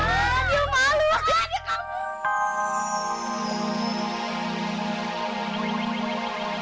sampai jumpa lagi